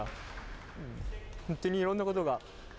本当にいろんなことが。